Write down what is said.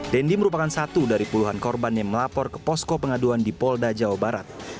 dendi merupakan satu dari puluhan korban yang melapor ke posko pengaduan di polda jawa barat